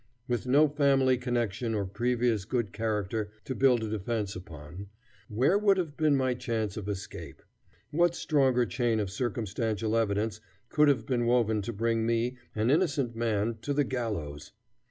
with no family connection or previous good character to build a defence upon: where would have been my chance of escape? What stronger chain of circumstantial evidence could have been woven to bring me, an innocent man, to the gallows?